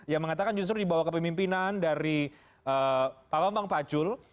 yang mengatakan justru di bawah kepemimpinan dari pak bambang pacul